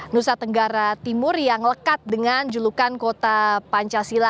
nusa tenggara timur yang lekat dengan julukan kota pancasila